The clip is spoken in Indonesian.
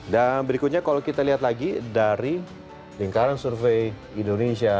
dan berikutnya kalau kita lihat lagi dari lingkaran survei indonesia